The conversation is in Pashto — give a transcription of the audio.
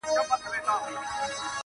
څو مېږیانو پکښي وکړل تقریرونه٫